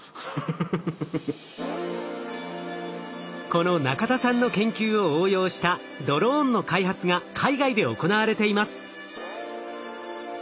この中田さんの研究を応用したドローンの開発が海外で行われています。